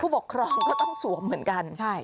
ปกครองก็ต้องสวมเหมือนกัน